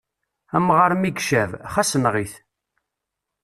Amɣaṛ mi yecab, xas enɣ-it.